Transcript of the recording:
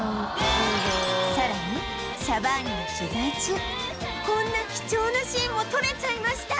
さらにシャバーニの取材中こんな貴重なシーンも撮れちゃいました